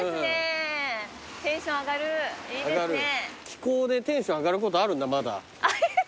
気候でテンション上がることあるんだまだ。ありますよ。